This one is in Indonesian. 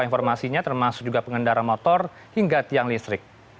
informasinya termasuk juga pengendara motor hingga tiang listrik